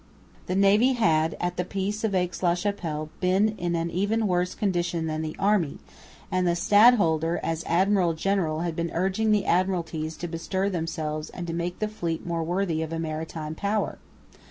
The navy had at the peace of Aix la Chapelle been in an even worse condition than the army; and the stadholder, as admiral general, had been urging the Admiralties to bestir themselves and to make the fleet more worthy of a maritime power.